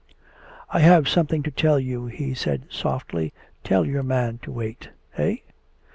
" I have something to tell you," he said softly. " Tell your man to wait." "Eh?"